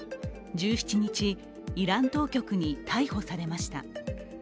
１７日、イラン当局に逮捕されました。